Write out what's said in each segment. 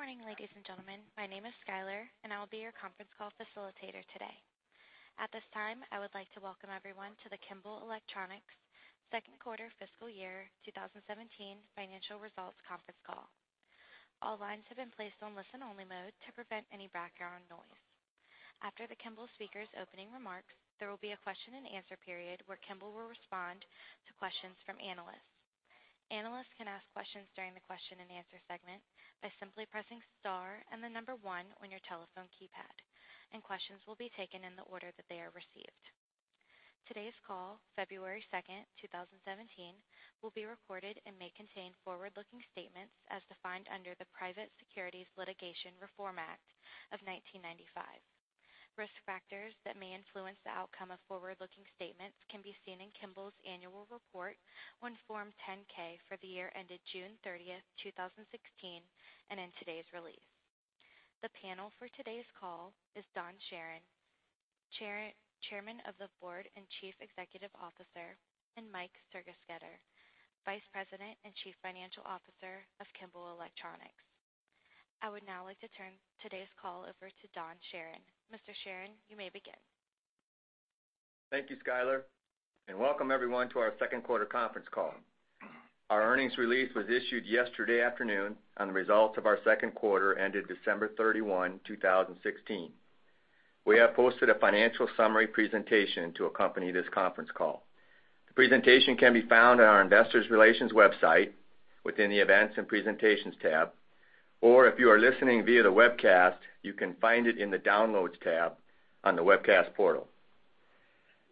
Good morning, ladies and gentlemen. My name is Skyler, and I'll be your conference call facilitator today. At this time, I would like to welcome everyone to the Kimball Electronics second quarter fiscal year 2017 financial results conference call. All lines have been placed on listen-only mode to prevent any background noise. After the Kimball speaker's opening remarks, there will be a question and answer period where Kimball will respond to questions from analysts. Analysts can ask questions during the question and answer segment by simply pressing star and the number one on your telephone keypad. Questions will be taken in the order that they are received. Today's call, February 2nd, 2017, will be recorded and may contain forward-looking statements as defined under the Private Securities Litigation Reform Act of 1995. Risk factors that may influence the outcome of forward-looking statements can be seen in Kimball's annual report on Form 10-K for the year ended June 30th, 2016, and in today's release. The panel for today's call is Don Charron, Chairman of the Board and Chief Executive Officer, and Mike Sergesketter, Vice President and Chief Financial Officer of Kimball Electronics. I would now like to turn today's call over to Don Charron. Mr. Charron, you may begin. Thank you, Skyler, and welcome everyone to our second quarter conference call. Our earnings release was issued yesterday afternoon on the results of our second quarter ended December 31, 2016. We have posted a financial summary presentation to accompany this conference call. The presentation can be found on our investor relations website within the Events and Presentations tab, or if you are listening via the webcast, you can find it in the Downloads tab on the webcast portal.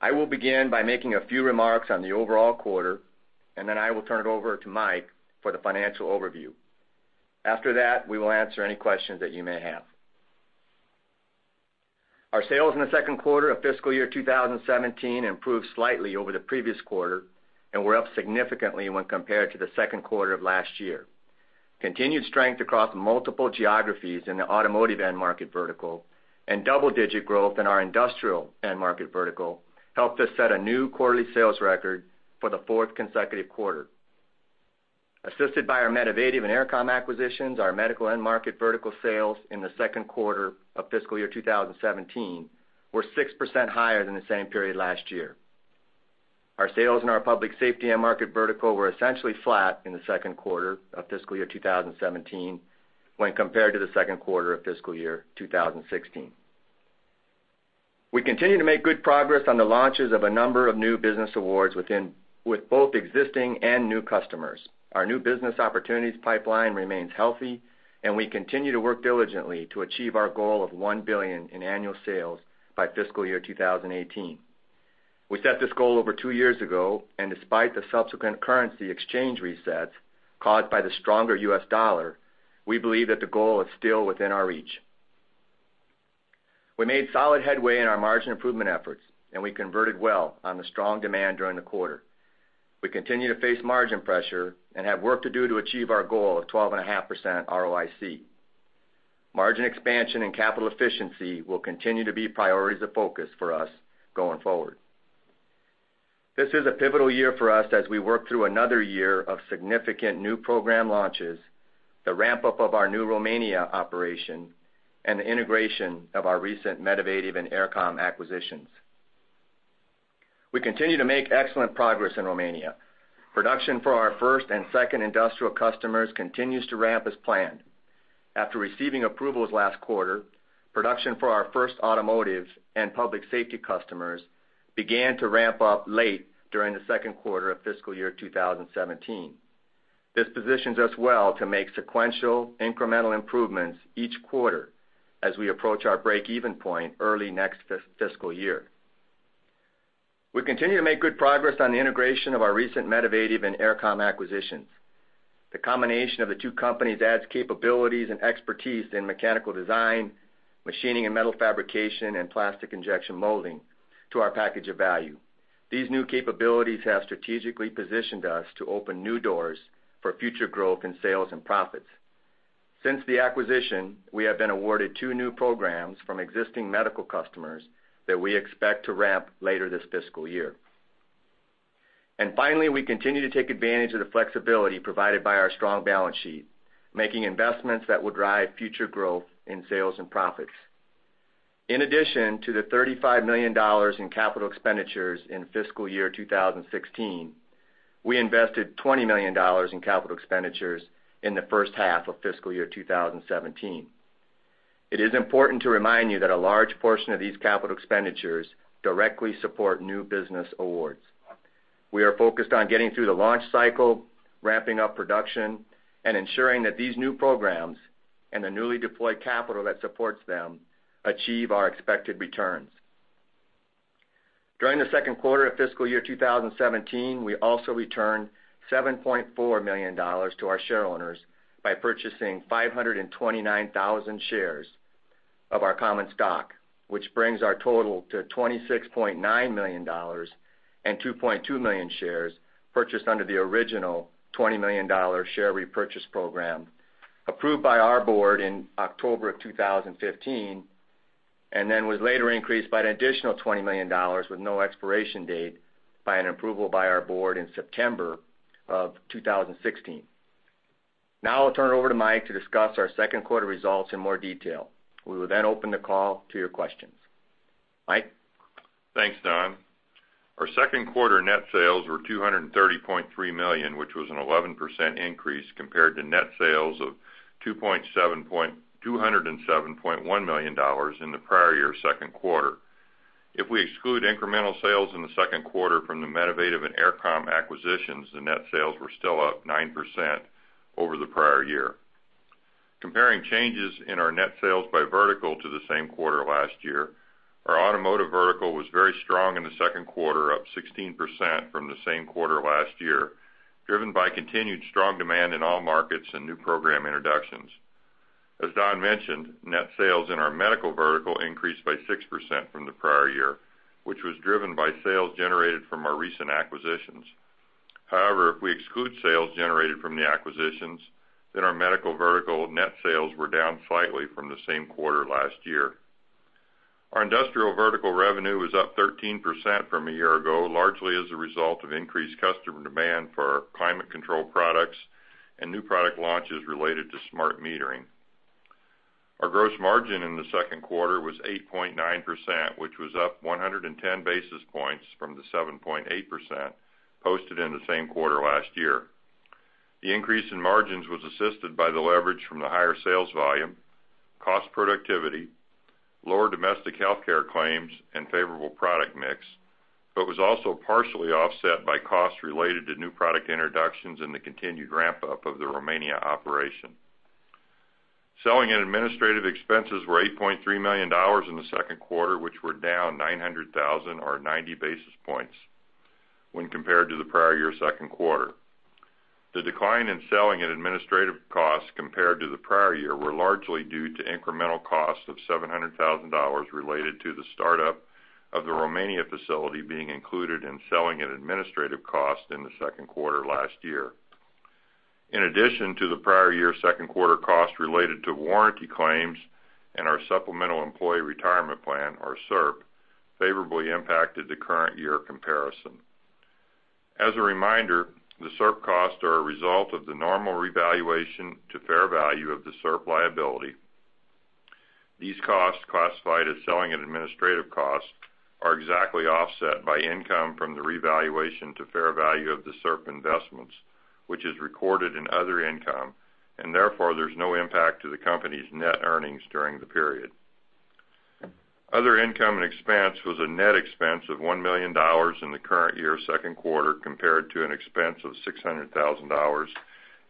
I will begin by making a few remarks on the overall quarter. Then I will turn it over to Mike for the financial overview. After that, we will answer any questions that you may have. Our sales in the second quarter of fiscal year 2017 improved slightly over the previous quarter and were up significantly when compared to the second quarter of last year. Continued strength across multiple geographies in the automotive end market vertical and double-digit growth in our industrial end market vertical helped us set a new quarterly sales record for the fourth consecutive quarter. Assisted by our Medivative and Aircom acquisitions, our medical end market vertical sales in the second quarter of fiscal year 2017 were 6% higher than the same period last year. Our sales in our public safety end market vertical were essentially flat in the second quarter of fiscal year 2017 when compared to the second quarter of fiscal year 2016. We continue to make good progress on the launches of a number of new business awards with both existing and new customers. Our new business opportunities pipeline remains healthy. We continue to work diligently to achieve our goal of $1 billion in annual sales by fiscal year 2018. We set this goal over two years ago, and despite the subsequent currency exchange resets caused by the stronger U.S. dollar, we believe that the goal is still within our reach. We made solid headway in our margin improvement efforts, and we converted well on the strong demand during the quarter. We continue to face margin pressure and have work to do to achieve our goal of 12.5% ROIC. Margin expansion and capital efficiency will continue to be priorities of focus for us going forward. This is a pivotal year for us as we work through another year of significant new program launches, the ramp-up of our new Romania operation, and the integration of our recent Medivative and Aircom acquisitions. We continue to make excellent progress in Romania. Production for our first and second industrial customers continues to ramp as planned. After receiving approvals last quarter, production for our first automotive and public safety customers began to ramp up late during the second quarter of fiscal year 2017. This positions us well to make sequential, incremental improvements each quarter as we approach our break-even point early next fiscal year. We continue to make good progress on the integration of our recent Medivative and Aircom acquisitions. The combination of the two companies adds capabilities and expertise in mechanical design, machining and metal fabrication, and plastic injection molding to our package of value. These new capabilities have strategically positioned us to open new doors for future growth in sales and profits. Since the acquisition, we have been awarded two new programs from existing medical customers that we expect to ramp later this fiscal year. Finally, we continue to take advantage of the flexibility provided by our strong balance sheet, making investments that will drive future growth in sales and profits. In addition to the $35 million in capital expenditures in fiscal year 2016, we invested $20 million in capital expenditures in the first half of fiscal year 2017. It is important to remind you that a large portion of these capital expenditures directly support new business awards. We are focused on getting through the launch cycle, ramping up production, and ensuring that these new programs and the newly deployed capital that supports them achieve our expected returns. During the second quarter of fiscal year 2017, we also returned $7.4 million to our shareowners by purchasing 529,000 shares of our common stock, which brings our total to $26.9 million and 2.2 million shares purchased under the original $20 million share repurchase program approved by our board in October of 2015. It was later increased by an additional $20 million with no expiration date by an approval by our board in September of 2016. I'll turn it over to Mike to discuss our second quarter results in more detail. We will then open the call to your questions. Mike? Thanks, Don. Our second quarter net sales were $230.3 million, which was an 11% increase compared to net sales of $207.1 million in the prior year second quarter. If we exclude incremental sales in the second quarter from the Medivative Technologies and Aircom Manufacturing acquisitions, the net sales were still up 9% over the prior year. Comparing changes in our net sales by vertical to the same quarter last year, our automotive vertical was very strong in the second quarter, up 16% from the same quarter last year, driven by continued strong demand in all markets and new program introductions. As Don mentioned, net sales in our medical vertical increased by 6% from the prior year, which was driven by sales generated from our recent acquisitions. However, if we exclude sales generated from the acquisitions, then our medical vertical net sales were down slightly from the same quarter last year. Our industrial vertical revenue is up 13% from a year ago, largely as a result of increased customer demand for our climate control products and new product launches related to smart metering. Our gross margin in the second quarter was 8.9%, which was up 110 basis points from the 7.8% posted in the same quarter last year. The increase in margins was assisted by the leverage from the higher sales volume, cost productivity, lower domestic healthcare claims, and favorable product mix, but was also partially offset by costs related to new product introductions and the continued ramp-up of the Romania operation. Selling and administrative expenses were $8.3 million in the second quarter, which were down $900,000 or 90 basis points when compared to the prior year second quarter. The decline in selling and administrative costs compared to the prior year were largely due to incremental costs of $700,000 related to the startup of the Romania facility being included in selling and administrative cost in the second quarter last year. In addition to the prior year second quarter cost related to warranty claims and our supplemental employee retirement plan, or SERP, favorably impacted the current year comparison. As a reminder, the SERP costs are a result of the normal revaluation to fair value of the SERP liability. These costs, classified as selling and administrative costs, are exactly offset by income from the revaluation to fair value of the SERP investments, which is recorded in other income, therefore, there's no impact to the company's net earnings during the period. Other income and expense was a net expense of $1 million in the current year second quarter, compared to an expense of $600,000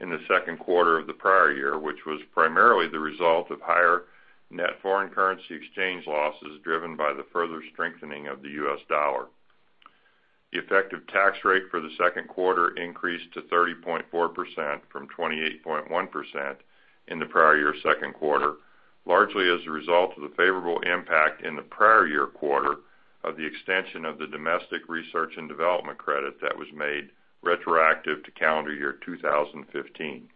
in the second quarter of the prior year, which was primarily the result of higher net foreign currency exchange losses driven by the further strengthening of the U.S. dollar. The effective tax rate for the second quarter increased to 30.4% from 28.1% in the prior year second quarter, largely as a result of the favorable impact in the prior year quarter of the extension of the domestic research and development credit that was made retroactive to calendar year 2015.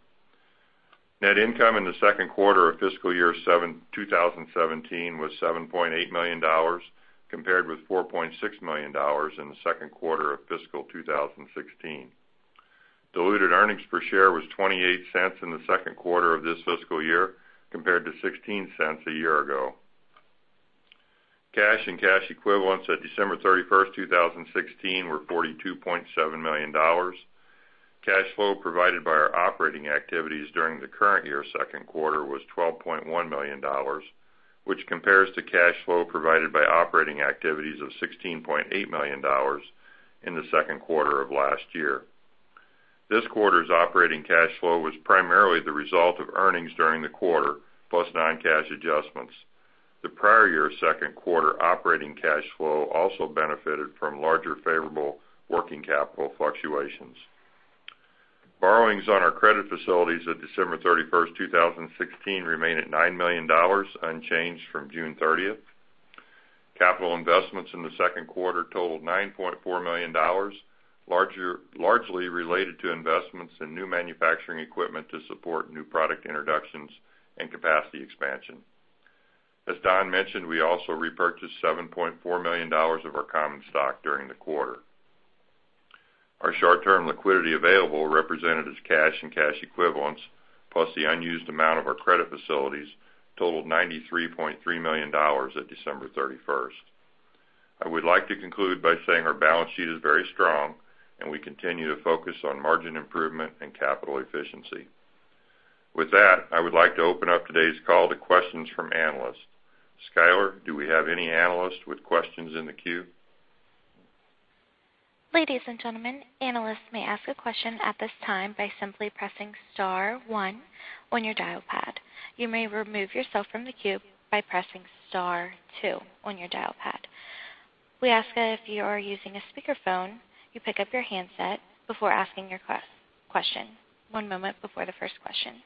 Net income in the second quarter of fiscal year 2017 was $7.8 million, compared with $4.6 million in the second quarter of fiscal 2016. Diluted earnings per share was $0.28 in the second quarter of this fiscal year, compared to $0.16 a year ago. Cash and cash equivalents at December 31st, 2016, were $42.7 million. Cash flow provided by our operating activities during the current year's second quarter was $12.1 million, which compares to cash flow provided by operating activities of $16.8 million in the second quarter of last year. This quarter's operating cash flow was primarily the result of earnings during the quarter, plus non-cash adjustments. The prior year's second quarter operating cash flow also benefited from larger favorable working capital fluctuations. Borrowings on our credit facilities at December 31st, 2016, remain at $9 million, unchanged from June 30th. Capital investments in the second quarter totaled $9.4 million, largely related to investments in new manufacturing equipment to support new product introductions and capacity expansion. As Don Charron mentioned, we also repurchased $7.4 million of our common stock during the quarter. Our short-term liquidity available, represented as cash and cash equivalents, plus the unused amount of our credit facilities, totaled $93.3 million at December 31st. I would like to conclude by saying our balance sheet is very strong, and we continue to focus on margin improvement and capital efficiency. With that, I would like to open up today's call to questions from analysts. Skyler, do we have any analysts with questions in the queue? Ladies and gentlemen, analysts may ask a question at this time by simply pressing *1 on your dial pad. You may remove yourself from the queue by pressing *2 on your dial pad. We ask that if you are using a speakerphone, you pick up your handset before asking your question. One moment before the first question.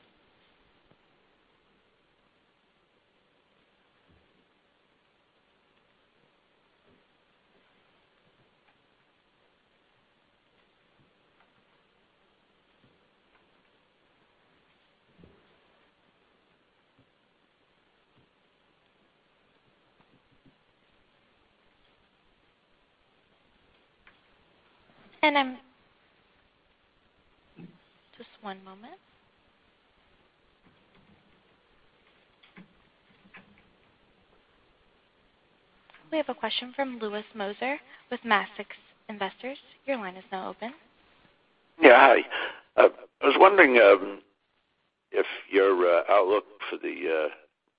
Just one moment. We have a question from Louis Moser with Maverick Investors. Your line is now open. Yeah, hi. I was wondering if your outlook for the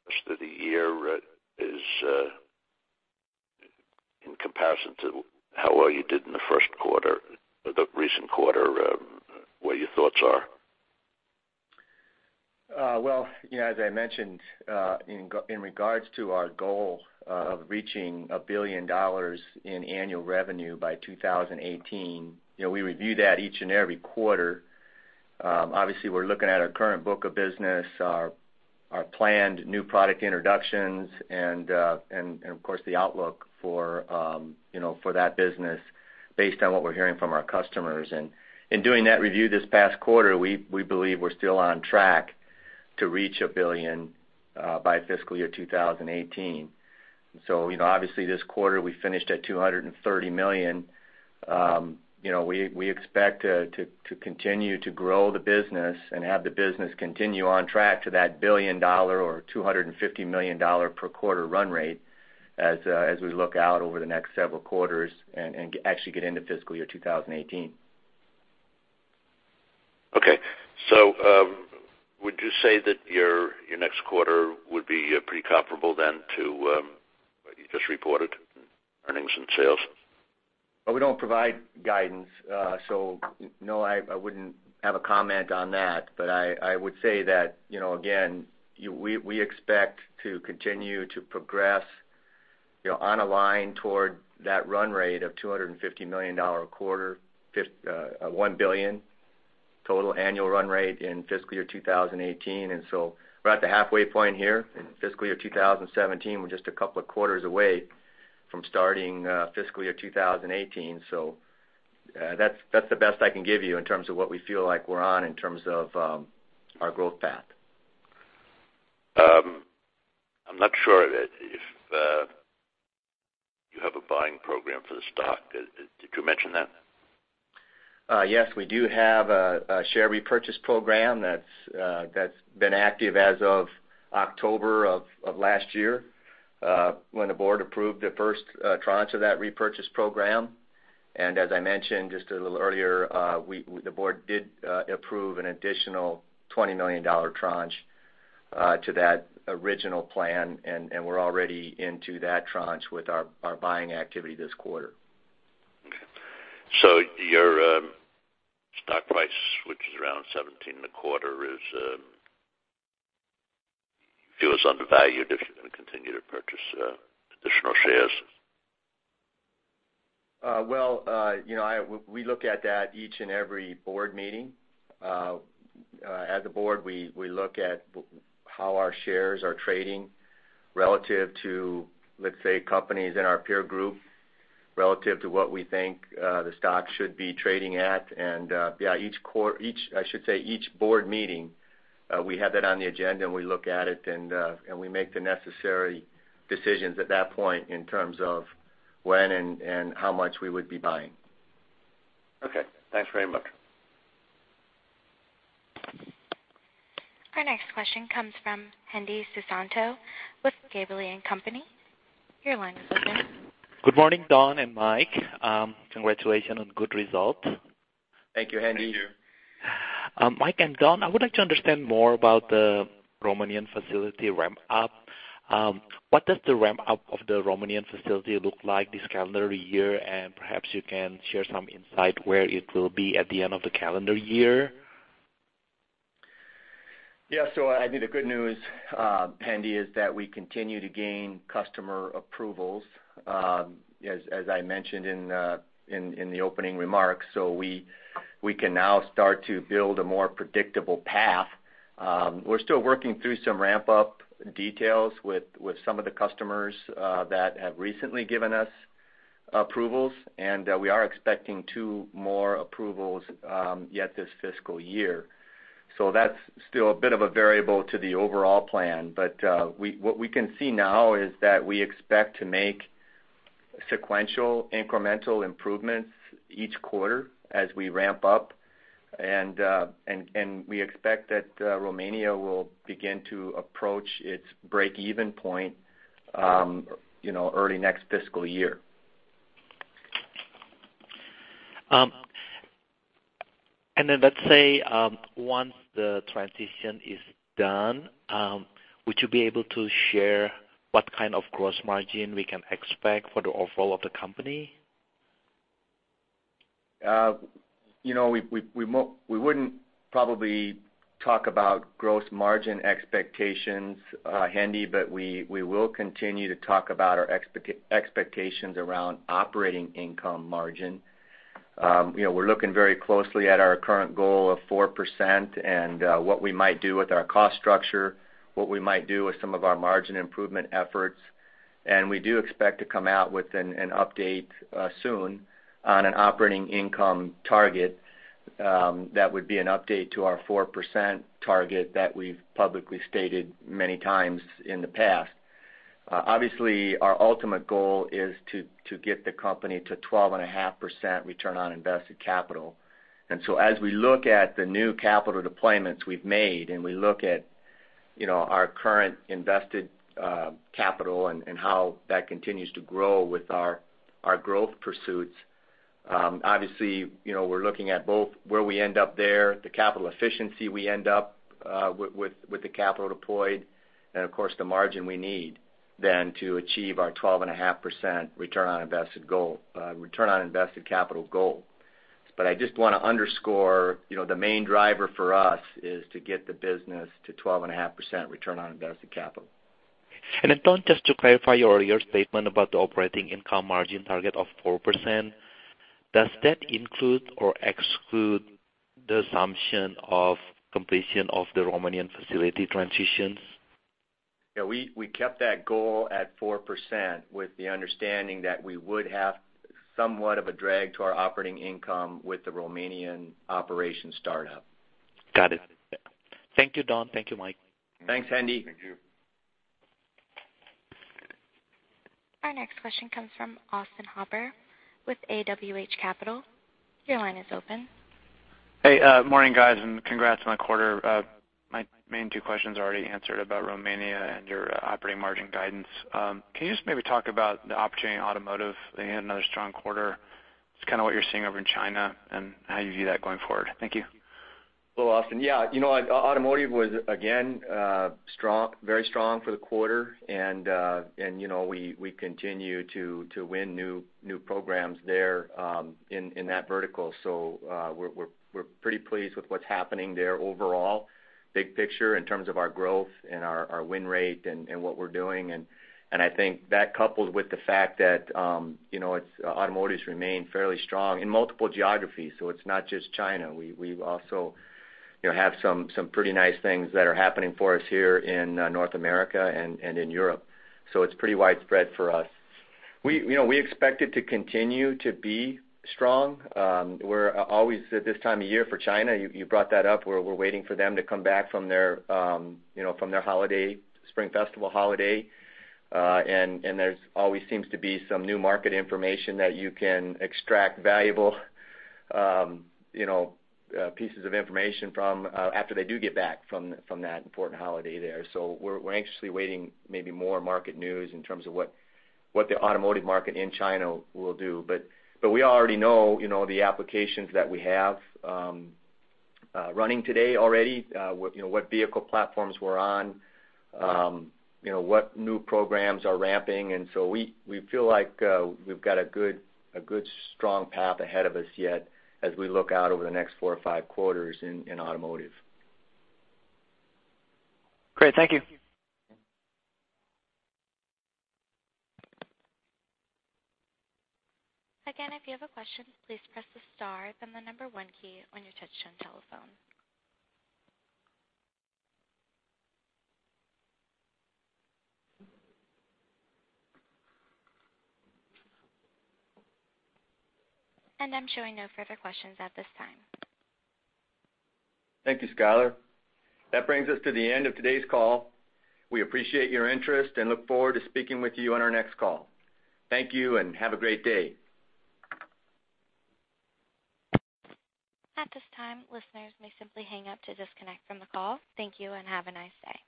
rest of the year is in comparison to how well you did in the first quarter, the recent quarter, what your thoughts are. As I mentioned, in regards to our goal of reaching $1 billion in annual revenue by 2018, we review that each and every quarter. Obviously, we're looking at our current book of business, our planned new product introductions, and of course, the outlook for that business based on what we're hearing from our customers. In doing that review this past quarter, we believe we're still on track to reach $1 billion by fiscal year 2018. Obviously, this quarter, we finished at $230 million. We expect to continue to grow the business and have the business continue on track to that $1 billion or $250 million per quarter run rate as we look out over the next several quarters and actually get into fiscal year 2018. Okay. Would you say that your next quarter would be pretty comparable then to what you just reported in earnings and sales? We don't provide guidance, no, I wouldn't have a comment on that. I would say that, again, we expect to continue to progress on a line toward that run rate of $250 million a quarter, $1 billion total annual run rate in fiscal year 2018. We're at the halfway point here in fiscal year 2017. We're just a couple of quarters away from starting fiscal year 2018. That's the best I can give you in terms of what we feel like we're on in terms of our growth path. I'm not sure if you have a buying program for the stock. Did you mention that? Yes. We do have a share repurchase program that's been active as of October of last year, when the board approved the first tranche of that repurchase program. As I mentioned just a little earlier, the board did approve an additional $20 million tranche to that original plan, and we're already into that tranche with our buying activity this quarter. Okay. Your stock price, which is around 17 and a quarter, you feel is undervalued if you're going to continue to purchase additional shares? Well, we look at that each and every board meeting. As a board, we look at how our shares are trading relative to, let's say, companies in our peer group, relative to what we think the stock should be trading at. Yeah, I should say each board meeting, we have that on the agenda, and we look at it, and we make the necessary decisions at that point in terms of when and how much we would be buying. Okay. Thanks very much. Our next question comes from Hendi Susanto with Gabelli & Company. Your line is open. Good morning, Don and Mike. Congratulations on good results. Thank you, Hendi. Thank you. Mike and Don, I would like to understand more about the Romanian facility ramp up. What does the ramp up of the Romanian facility look like this calendar year? Perhaps you can share some insight where it will be at the end of the calendar year. I think the good news, Hendi, is that we continue to gain customer approvals, as I mentioned in the opening remarks. We can now start to build a more predictable path. We're still working through some ramp-up details with some of the customers that have recently given us approvals, and we are expecting two more approvals yet this fiscal year. That's still a bit of a variable to the overall plan. What we can see now is that we expect to make sequential incremental improvements each quarter as we ramp up. We expect that Romania will begin to approach its break-even point early next fiscal year. Let's say, once the transition is done, would you be able to share what kind of gross margin we can expect for the overall of the company? We wouldn't probably talk about gross margin expectations, Hendi, we will continue to talk about our expectations around operating income margin. We're looking very closely at our current goal of 4% and what we might do with our cost structure, what we might do with some of our margin improvement efforts. We do expect to come out with an update soon on an operating income target that would be an update to our 4% target that we've publicly stated many times in the past. Obviously, our ultimate goal is to get the company to 12.5% return on invested capital. As we look at the new capital deployments we've made, and we look at our current invested capital and how that continues to grow with our growth pursuits, obviously, we're looking at both where we end up there, the capital efficiency we end up with the capital deployed, and of course, the margin we need then to achieve our 12.5% return on invested capital goal. I just want to underscore, the main driver for us is to get the business to 12.5% return on invested capital. Don, just to clarify your earlier statement about the operating income margin target of 4%, does that include or exclude the assumption of completion of the Romanian facility transitions? Yeah, we kept that goal at 4% with the understanding that we would have somewhat of a drag to our operating income with the Romanian operation startup. Got it. Thank you, Don. Thank you, Mike. Thanks, Hendi. Thank you. Our next question comes from Austin Hopper with AWH Capital. Your line is open. Hey, morning, guys, and congrats on the quarter. My main two questions are already answered about Romania and your operating margin guidance. Can you just maybe talk about the opportunity in automotive? They had another strong quarter. Just kind of what you're seeing over in China and how you view that going forward. Thank you. Hello, Austin. Automotive was, again, very strong for the quarter. We continue to win new programs there in that vertical. We're pretty pleased with what's happening there overall, big picture, in terms of our growth and our win rate and what we're doing. I think that coupled with the fact that automotives remain fairly strong in multiple geographies. It's not just China. We also have some pretty nice things that are happening for us here in North America and in Europe. It's pretty widespread for us. We expect it to continue to be strong. We're always, at this time of year for China, you brought that up, we're waiting for them to come back from their Spring Festival holiday. There always seems to be some new market information that you can extract valuable pieces of information from after they do get back from that important holiday there. We're anxiously waiting, maybe more market news in terms of what the automotive market in China will do. We already know the applications that we have running today already, what vehicle platforms we're on, what new programs are ramping. We feel like we've got a good, strong path ahead of us yet as we look out over the next four or five quarters in automotive. Great. Thank you. Again, if you have a question, please press the star then the number one key on your touch-tone telephone. I'm showing no further questions at this time. Thank you, Skyler. That brings us to the end of today's call. We appreciate your interest and look forward to speaking with you on our next call. Thank you and have a great day. At this time, listeners may simply hang up to disconnect from the call. Thank you and have a nice day.